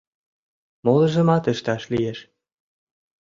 — Молыжымат ышташ лиеш.